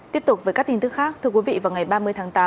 tiếp tục với các tin tức khác thưa quý vị vào ngày ba mươi tháng tám